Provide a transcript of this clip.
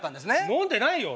飲んでないよ。